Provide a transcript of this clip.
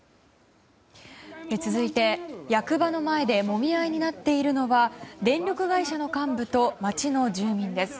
続いて、役場の前でもみ合いになっているのは電力会社の幹部と町の住民です。